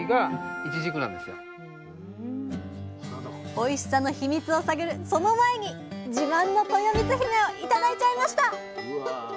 おいしさのヒミツを探るその前に自慢のとよみつひめを頂いちゃいました！